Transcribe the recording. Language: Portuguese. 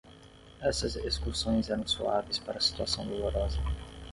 Essas excursões eram suaves para a situação dolorosa.